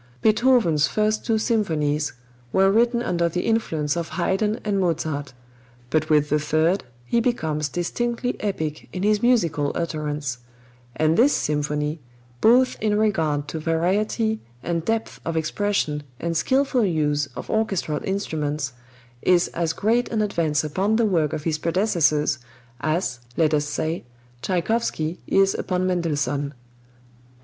Beethoven's first two symphonies were written under the influence of Haydn and Mozart, but with the third he becomes distinctly epic in his musical utterance; and this symphony, both in regard to variety and depth of expression and skillful use of orchestral instruments, is as great an advance upon the work of his predecessors as, let us say, Tschaikowsky is upon Mendelssohn.